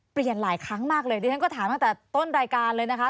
หลายครั้งมากเลยดิฉันก็ถามตั้งแต่ต้นรายการเลยนะคะ